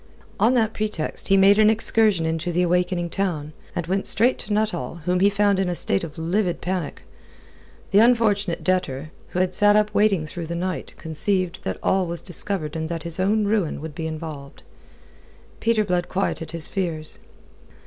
On that pretext, he made an excursion into the awakening town, and went straight to Nuttall, whom he found in a state of livid panic. The unfortunate debtor, who had sat up waiting through the night, conceived that all was discovered and that his own ruin would be involved. Peter Blood quieted his fears.